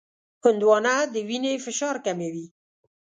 هندوانه د وینې فشار کموي.